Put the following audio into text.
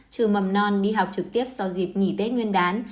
trường mầm non đi học trực tiếp sau dịp nghỉ tết nguyên đán